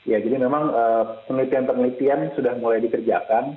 ya jadi memang penelitian penelitian sudah mulai dikerjakan